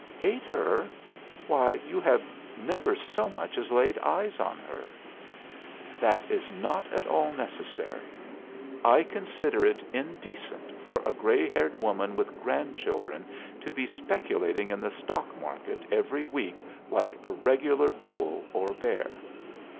'" "'Hate her? Why, you have never so much as laid eyes on her.'" "'That is not at all necessary. I consider it indecent for a grey haired woman with grandchildren to be speculating in the stock market every week like a regular bull or bear.